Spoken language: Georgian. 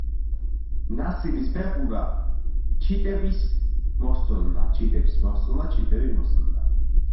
ვანოს ბეღურა ჩიტები ძლიერ მოსწონდა